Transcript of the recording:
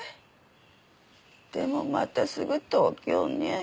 でもまたすぐ東京に。